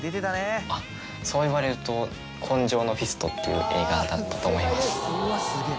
あっそう言われると。っていう映画だったと思います。